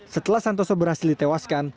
setelah santoso berhasil ditewaskan